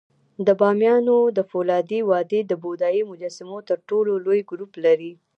د بامیانو د فولادي وادي د بودایي مجسمو تر ټولو لوی ګروپ لري